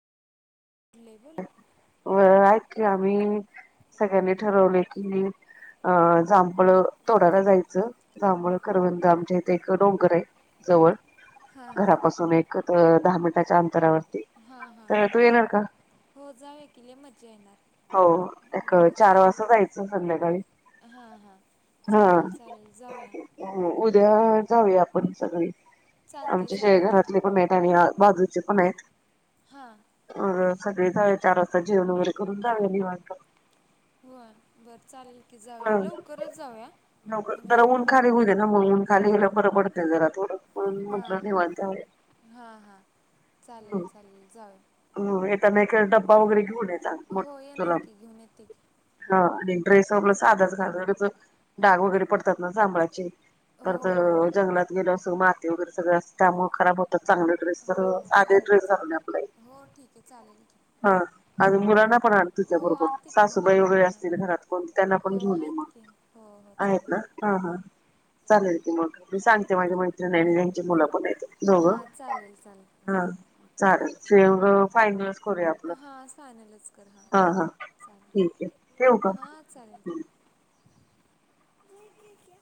ए बोल ओय ऐक की आम्ही, सगळ्यांनी ठरवलंय की अं जांभळ तोडायला जायचं, जांभळ, करवंद आमच्या इथे एक डोंगर आहे. जवळ हा हा घरापासून एक दहा मिनिटाच्या अंतरावरती, हा हा तर तू येणार का? हो जाऊ या की लई मजा येणार. हो एक हो चार चालेल वाजता जायचं संध्याकाळी. हां हां हा, चालेल चालेल जाऊया उद्या जाऊया आपण सगळे. चालतंय आमच्या शे जाऊया की घरातले पण आहेत आणि बाजूचे पण आहेत. हां मग सगळे जाऊ या चार वाजता जेवण वगैरे करून जाऊया निवांत. होय बर ह म्हणजे जरा ऊन खाली होवू दे ना, मग ऊन खाली गेल्यावर बर पड त जरा थोडं, पण हां म्हटलं हां निवांत हाय हां हां चालेल चालेल जाऊया. ह येताना एक डब्बा वगैरे घेऊन यायचा मोठा, हो तुला येणार की घेऊन येते की हा तू आपलं साधाच घाल, उगच डाग वगैरे पडतात ना जांभळाचे. हो परत हो अ जंगलात गेल्यावर सगळं माती वगैरे सगळं असते त्यामुळे खराब होतात. चांगलं ड्रेस हो तर, हो साधे चालेल ड्रेस घालून ये आपलं चालेल हो ठीक आहे चालेल की हा आणि मुलांना पण आण तुझ्या हो बरोबर, आणते की सासूबाई मुलांना वगैरे पण आण असतील घरात कोण त्यांना हो पण घेऊन ये आहेत मग, की हो हो आहेत ना चालेल हा हा चालेल की मग, मी सांगते माझ्या मैत्रिण आणि ह्यांची मुलं पण आहेत. हा दोघं चालेल चालेल. हा चालेल, हे मग फायनलच करूया आपलं. हां फायनलच कर हां हा हा, ठीक चालेल आहे ठेवू का? हां चालेल ठेव. ठीक आहे